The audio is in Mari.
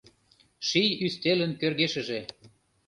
Ший ӱстелын кӧргешыже